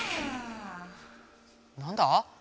何だ？